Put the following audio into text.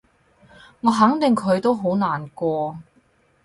我肯定佢都好難過